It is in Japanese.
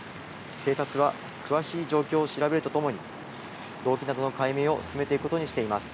警察は詳しい状況を調べるとともに動機など解明を進めていくことにしています。